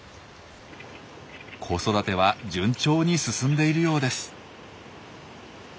子育ては順調に進んでいるようです。